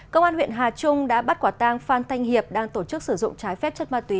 công an huyện hà trung đã bắt quả tang phan thanh hiệp đang tổ chức sử dụng trái phép chất ma túy